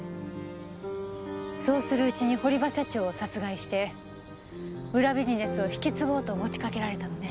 そうするうちに堀場社長を殺害して裏ビジネスを引き継ごうと持ちかけられたのね？